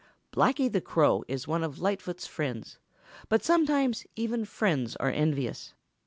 Blacky the Crow is one of Lightfoot's friends, but sometimes even friends are envious.